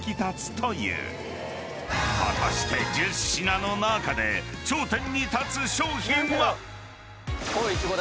［果たして１０品の中で頂点に立つ商品は⁉］